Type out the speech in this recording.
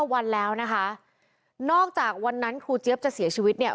วันแล้วนะคะนอกจากวันนั้นครูเจี๊ยบจะเสียชีวิตเนี่ย